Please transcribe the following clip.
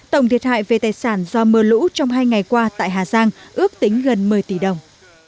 tổng thiệt hại về tài sản do mưa lũ trong hai ngày qua tại hà giang ước tính gần một mươi tỷ đồng